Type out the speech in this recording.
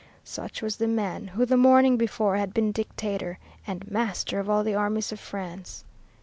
Such was the man who the morning before had been Dictator, and master of all the armies of France.